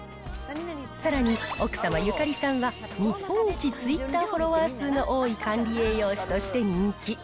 さらに奥様、ゆかりさんは日本一ツイッターフォロワー数の多い管理栄養士として人気。